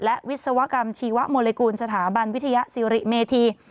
และวิศวกรรมชีวโมลิกูลสถาบันวิทยาศิริเมธี